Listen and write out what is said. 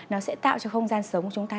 nó sẽ tạo cho không gian sống của chúng ta